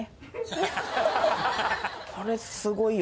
これすごいよ。